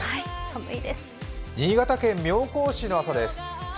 新潟県妙高市の朝です。